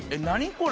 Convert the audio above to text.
これ。